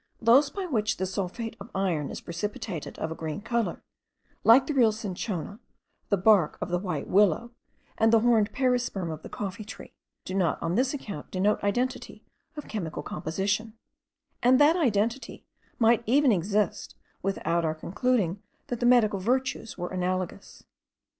Those by which the sulphate of iron is precipitated of a green colour, like the real cinchona, the bark of the white willow, and the horned perisperm of the coffee tree, do not on this account denote identity of chemical composition;* and that identity might even exist, without our concluding that the medical virtues were analogous.